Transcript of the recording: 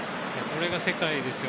これが世界です。